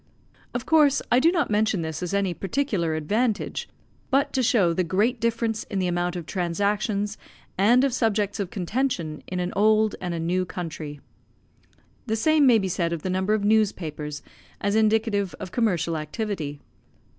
Of course, I do not mention this as any particular advantage, but to show the great difference in the amount of transactions, and of subjects of contention, in an old and a new country. The same may be said of the number of newspapers, as indicative of commercial activity.